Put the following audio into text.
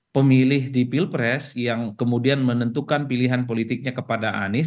pemilih di pilpres yang kemudian menentukan pilihan politiknya kepada anies